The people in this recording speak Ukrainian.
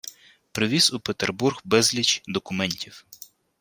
привіз у Петербург безліч… документів